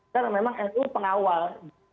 karena memang nu pengawal